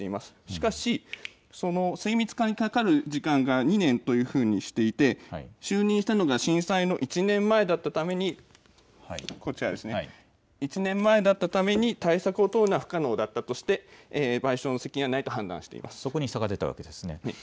しかし、水密化にかかる時間が２年というふうにしていて、就任したのが震災の１年前だったために、こちらですね、１年前だったために、対策を取るのは不可能だったとして、賠償責任はないと判断していそこに差が出たわけですね。